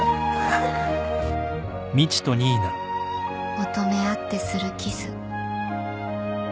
求め合ってするキス